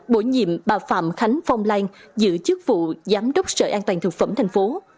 bổ nhiệm bà phạm khánh phong lan giữ chức vụ giám đốc sở an toàn thực phẩm thành phố